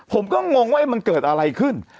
ผมก็งงว่ามันเกิดอะไรขึ้น